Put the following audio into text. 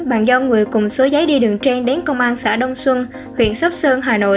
bàn giao người cùng số giấy đi đường trên đến công an xã đông xuân huyện sóc sơn hà nội